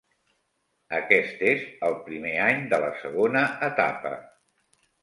Aquest és el primer any de la segona etapa.